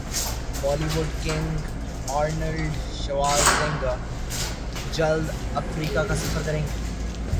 Bali would king Arnold Schwarzenegger جلد افریقہ کاسفر کریں گے